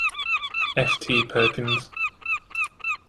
F T Perkins.